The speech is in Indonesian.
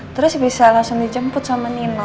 terus bisa langsung dijemput sama nino